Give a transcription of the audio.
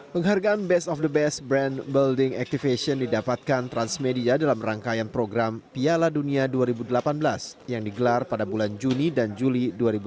penghargaan best of the best brand building activation didapatkan transmedia dalam rangkaian program piala dunia dua ribu delapan belas yang digelar pada bulan juni dan juli dua ribu delapan belas